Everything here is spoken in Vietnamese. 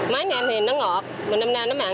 mấy năm thì nó ngọt một năm nay nó mặn